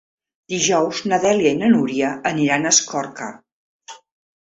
Dijous na Dèlia i na Núria aniran a Escorca.